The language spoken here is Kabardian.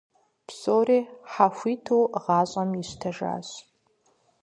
Псори хьэхути, гъащӀэм ищтэжащ.